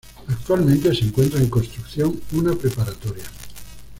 Actualmente se encuentra en construcción una preparatoria.